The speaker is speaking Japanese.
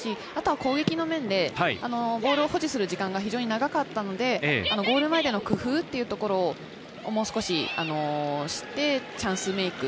攻撃の面でボールを保持する時間が長かったので、ゴール前での工夫をもう少ししてチャンスメーク。